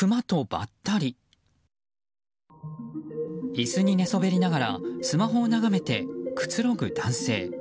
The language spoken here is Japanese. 椅子に寝そべりながらスマホを眺めてくつろぐ男性。